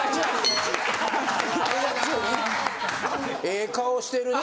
ええ顔してるね。